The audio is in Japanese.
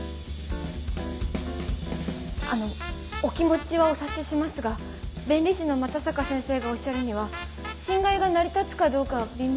あのお気持ちはお察ししますが弁理士の又坂先生がおっしゃるには侵害が成り立つかどうかは微妙だと。